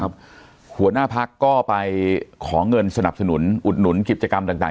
หัวหน้าพักก็ไปขอเงินสนับสนุนอุดหนุนกิจกรรมต่าง